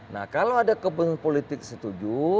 nah kalau ada kepentingan politik setuju